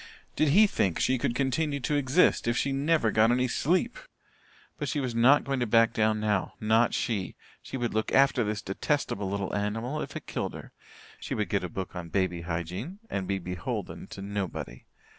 Did he think she could continue to exist if she never got any sleep? But she was not going to back down now not she. She would look after this detestable little animal if it killed her. She would get a book on baby hygiene and be beholden to nobody.